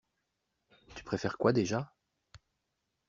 Tu préfères quoi déjà?